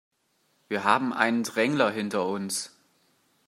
Wir haben einen Drängler hinter uns.